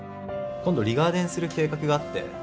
今度リガーデンする計画があって。